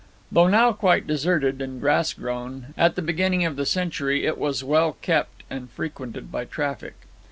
Though now quite deserted and grass grown, at the beginning of the century it was well kept and frequented by traffic.